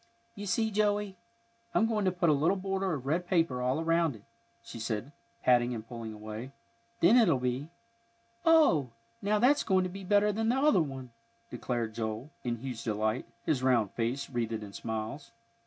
"You see, Joey, I'm going to put a little border of red paper all around it," she said, patting and pulling away, "then it'll be " "Oh, now that's goin' to be better than the other one," declared Joel, in huge delight, his round face wreathed in smiles.